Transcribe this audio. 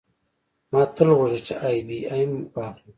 ما تل غوښتل چې آی بي ایم واخلم